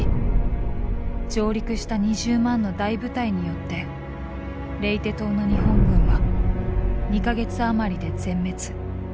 上陸した２０万の大部隊によってレイテ島の日本軍は２か月余りで全滅。